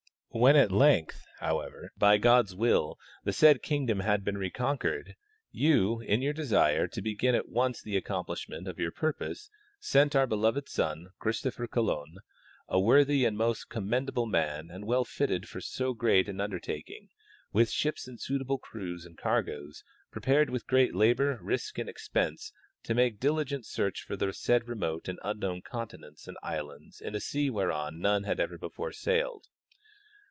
When at length, how ever, by God's will, the said kingdom had been reconquered you, in your desire to begin at once the accomplishment of your purpose, sent our beloved son, Christopher Colon, a worthy and most commendable man and well fitted for so great an under taking, with ships and suitable crews and cargoes, prepared with great labor, risk and expense, to make diligent search for the said remote and unknown continents and islands in a sea whereon none had ever before sailed.